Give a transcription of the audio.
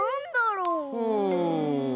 うん。